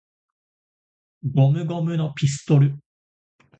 ゴムゴムのピストル!!!